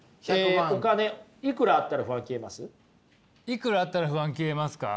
いくらあったら不安消えますか？